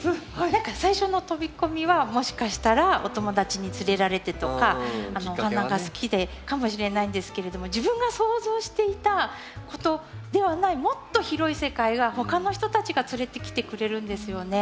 何か最初の飛び込みはもしかしたらお友達に連れられてとかお花が好きでかもしれないんですけれども自分が想像していたことではないもっと広い世界が他の人たちが連れてきてくれるんですよね。